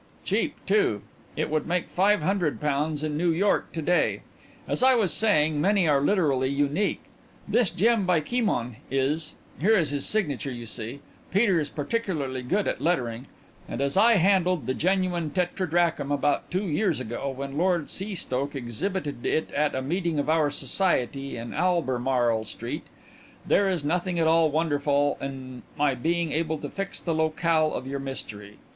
"Cheap, too; it would make five hundred pounds in New York to day. As I was saying, many are literally unique. This gem by Kimon is here is his signature, you see; Peter is particularly good at lettering and as I handled the genuine tetradrachm about two years ago, when Lord Seastoke exhibited it at a meeting of our society in Albemarle Street, there is nothing at all wonderful in my being able to fix the locale of your mystery.